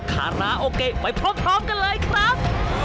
คาราโอเกะไปพร้อมกันเลยครับ